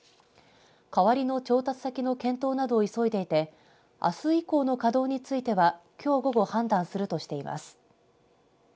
代わりの調達先の検討などを急いでいてあす以降の稼働についてはきょう午後判断するとしています。